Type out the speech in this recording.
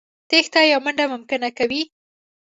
تېښته يا منډه ممکنه کوي.